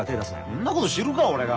そんなこと知るか俺が。